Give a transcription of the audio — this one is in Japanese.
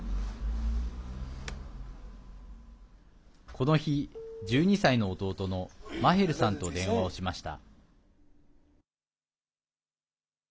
この日、１２歳の弟のマヘルさんと電話をしました。